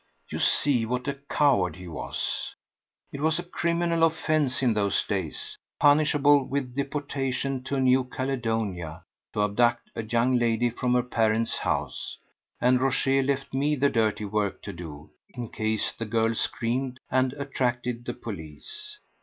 You see what a coward he was! It was a criminal offence in those days, punishable with deportation to New Caledonia, to abduct a young lady from her parents' house; and Rochez left me the dirty work to do in case the girl screamed and attracted the police.